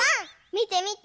みてみて。